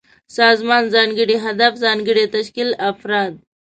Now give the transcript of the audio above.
سازمان: ځانګړی هدف، ځانګړی تشکيل ، افراد